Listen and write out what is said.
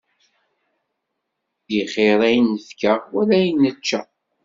Ixir ayen nefka, wala ayen nečča.